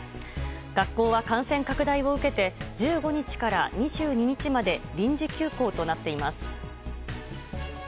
学校は感染拡大を受けて１５日から２２日まで臨時休校となっています。